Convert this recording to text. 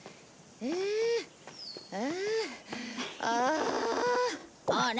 ああ。